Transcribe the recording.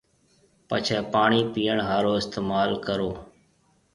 پڇيَ پاڻِي پيئڻ هارو استعمال ڪرو